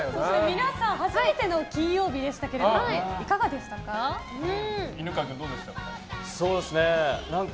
皆さん初めての金曜日でしたがいかがでしたか？